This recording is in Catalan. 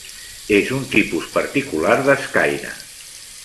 És un tipus particular d'escaire.